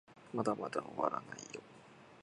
まだまだ終わらないよ